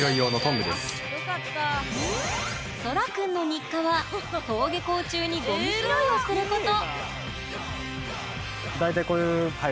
そら君の日課は登下校中にゴミ拾いをすること。